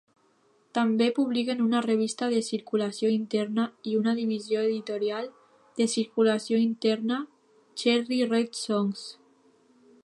També publiquen una revista de circulació interna i una divisió editorial "de circulació interna", "Cherry Red Songs".